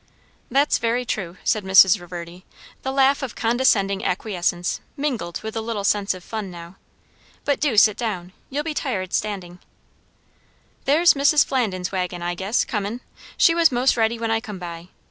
"That's very true," said Mrs. Reverdy, the laugh of condescending acquiescence mingled with a little sense of fun now. "But do sit down; you'll be tired standing." "There's Mrs. Flandin's waggin, I guess, comin'; she was 'most ready when I come by.